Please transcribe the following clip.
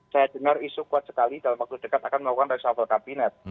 saya dengar isu kuat sekali dalam waktu dekat akan melakukan reshuffle kabinet